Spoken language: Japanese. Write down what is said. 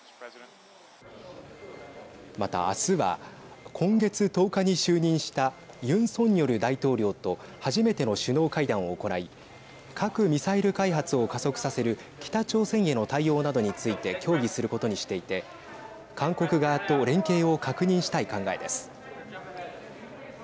また、あすは今月１０日に就任したユン・ソンニョル大統領と初めての首脳会談を行い核・ミサイル開発を加速させる北朝鮮への対応などについて協議することにしていて韓国側と連携を確認したい考えです。